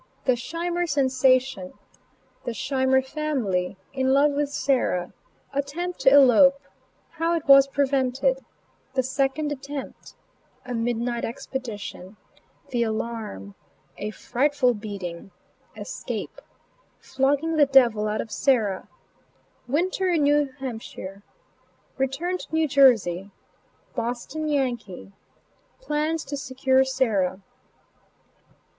THE SCHEIMER SENSATION. THE SCHEIMER FAMILY IN LOVE WITH SARAH ATTEMPT TO ELOPE HOW IT WAS PREVENTED THE SECOND ATTEMPT A MIDNIGHT EXPEDITION THE ALARM A FRIGHTFUL BEATING ESCAPE FLOGGING THE DEVIL OUT OF SARAH WINTER IN NEW HAMPSHIRE RETURN TO NEW JERSEY "BOSTON YANKEE" PLANS TO SECURE SARAH.